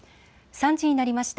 ３時になりました。